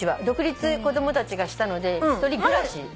独立子供たちがしたので１人暮らし。